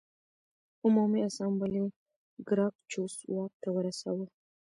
عمومي اسامبلې ګراکچوس واک ته ورساوه